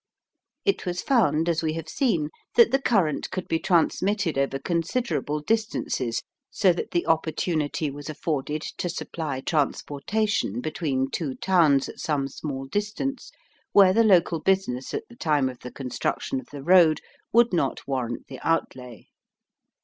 It was found, as we have seen, that the current could be transmitted over considerable distances so that the opportunity was afforded to supply transportation between two towns at some small distance where the local business at the time of the construction of the road would not warrant the outlay.